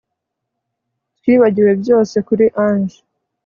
Twibagiwe byose kuri ange